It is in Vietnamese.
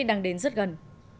đang đến rất gần